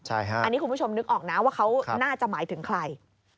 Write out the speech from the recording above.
อันนี้คุณผู้ชมนึกออกนะว่าเขาน่าจะหมายถึงใคร